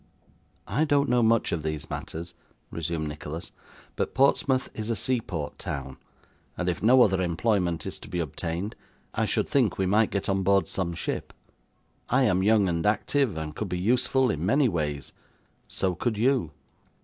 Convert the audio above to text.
'I don't know much of these matters,' resumed Nicholas; 'but Portsmouth is a seaport town, and if no other employment is to be obtained, I should think we might get on board some ship. I am young and active, and could be useful in many ways. So could you.